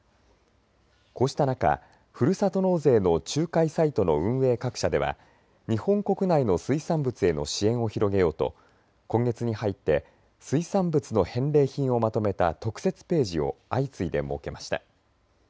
こうした中、ふるさと納税の仲介サイトの運営各社では日本国内の水産物への支援を広げようと今月に入って水産物の返礼品をまとめた特設ページを相次いで設けました。